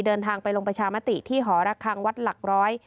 เดินทางไปลงประชามติที่หอระคังวัดหลักร้อย